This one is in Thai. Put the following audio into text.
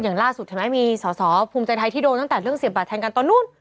อย่างล่าสุดเห็นไหมมีสอสอภูมิใจไทยที่โดนตั้งแต่เรื่องเสียบบาดแทงกันตอนนู้น